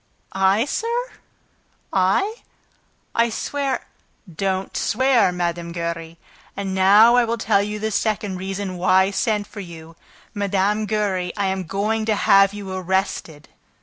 "I, sir? I? ... I swear ..." "Don't swear, Mme. Giry! ... And now I will tell you the second reason why I sent for you. Mme. Giry, I am going to have you arrested."